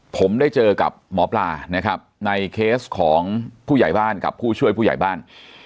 ผมได้เจอกับหมอปลานะครับในเคสของผู้ใหญ่บ้านกับผู้ช่วยผู้ใหญ่บ้าน